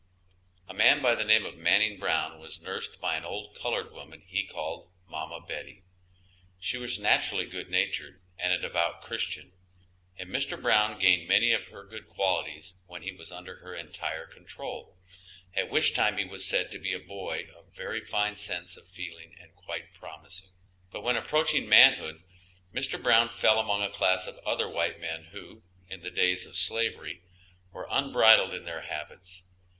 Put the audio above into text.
A man by the name of Manning Brown was nursed by an old colored woman he called mamma Betty. She was naturally good natured and a devout Christian, and Mr. Brown gained many of her good qualities when he was under her entire control, at which time he was said to be a boy of very fine sense of feeling and quite promising. But when approaching manhood Mr. Brown fell among a class of other white men who, in the days of slavery, were unbridled in their habits.